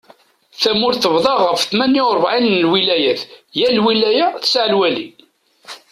Tamurt tebḍa ɣef tmanya urebɛin n lwilayat, yal lwilaya tesɛa lwali.